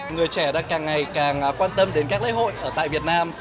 người trẻ đang càng ngày càng quan tâm đến các lễ hội ở tại việt nam